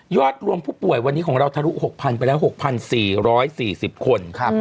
รวมผู้ป่วยวันนี้ของเราทะลุ๖๐๐ไปแล้ว๖๔๔๐คน